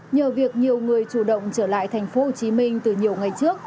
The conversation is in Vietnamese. nhờ việc nhiều người chủ động trở lại thành phố hồ chí minh từ nhiều ngày trước